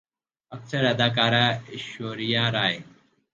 اکثر اداکارہ ایشوریا رائے